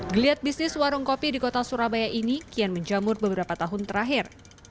geliat bisnis warung kopi di kota surabaya ini kian menjamur beberapa tahun terakhir